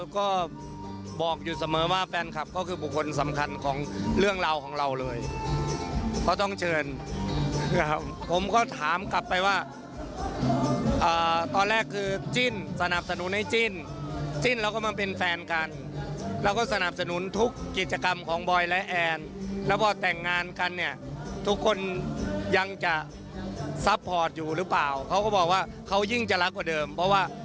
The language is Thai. ก็บอกอยู่เสมอว่าแฟนคลับก็คือบุคคลสำคัญของเรื่องราวของเราเลยเขาต้องเชิญนะครับผมก็ถามกลับไปว่าตอนแรกคือจิ้นสนับสนุนให้จิ้นจิ้นแล้วก็มาเป็นแฟนกันแล้วก็สนับสนุนทุกกิจกรรมของบอยและแอนแล้วพอแต่งงานกันเนี่ยทุกคนยังจะซัพพอร์ตอยู่หรือเปล่าเขาก็บอกว่าเขายิ่งจะรักกว่าเดิมเพราะว่า